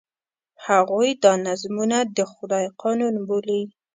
هغوی دا نظمونه د خدای قانون بولي.